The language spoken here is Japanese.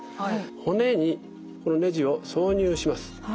骨にこのねじを挿入します。